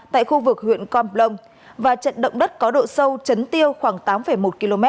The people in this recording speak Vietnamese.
tại khu vực huyện con plong và trận động đất có độ sâu chấn tiêu khoảng tám một km